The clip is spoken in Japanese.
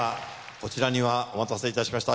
こちらにはお待たせいたしました。